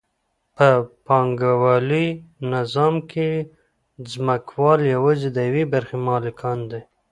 په پانګوالي نظام کې ځمکوال یوازې د یوې برخې مالکان دي